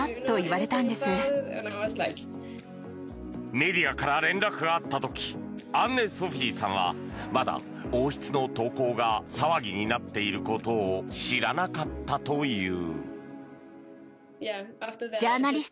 メディアから連絡があった時アンネ・ソフィーさんはまだ王室の投稿が騒ぎになっていることを知らなかったという。